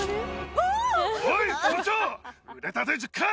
おい！